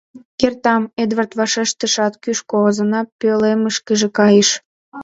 — Кертам, — Эдвард вашештышат, кӱшкӧ, озана пӧлемышкыже кайыш.